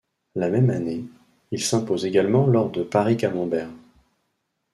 La même année, il s'impose également lors de Paris-Camembert.